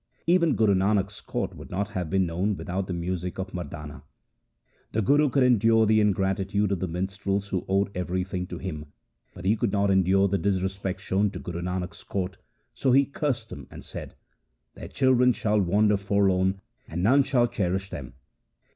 Even Guru Nanak's court would not have been known without the music of Mardana.' The Guru could endure the ingratitude of the minstrels who owed everything to him, but he could not endure the disrespect shown to Guru Nanak's court, so he cursed them and said, ' Their children shall wander forlorn, and none shall cherish them.'